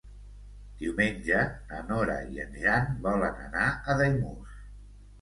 Diumenge na Nora i en Jan volen anar a Daimús.